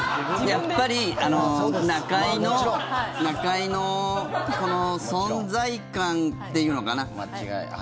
やっぱり中居のこの存在感っていうのかな。